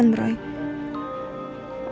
nih bukan semua orang